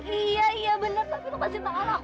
iya iya benar tapi lepasin tangan aku